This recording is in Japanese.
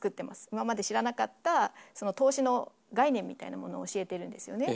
今まで知らなかった投資の概念みたいなものを教えているんですよね。